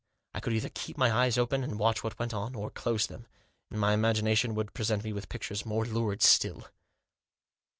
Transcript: I could either keep my eyes open and watch what went on, or close them, and my imagination would present me with pictures more lurid still.